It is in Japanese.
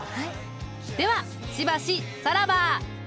ではしばしさらば。